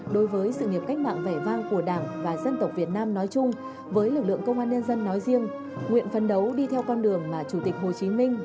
đối với sự nghiệp cách mạng vẻ vang của đảng và dân tộc việt nam nói chung với lực lượng công an nhân dân nói riêng